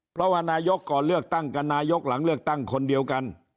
เพราะว่านายกก่อนเลือกตั้งกับนายกหลังเลือกตั้งคนเดียวกัน